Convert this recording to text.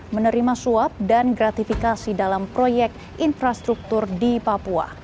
menerima suap dan gratifikasi dalam proyek infrastruktur di papua